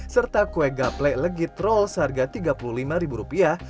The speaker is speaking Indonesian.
serta kue gaplek legit roll seharga tiga puluh lima ribu rupiah